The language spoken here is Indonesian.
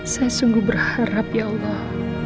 saya sungguh berharap ya allah